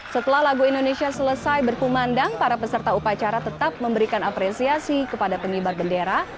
setelah lagu indonesia selesai berkumandang para peserta upacara tetap memberikan apresiasi kepada pengibar bendera